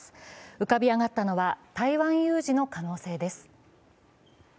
浮かび上がったのは台湾有事の可能性です。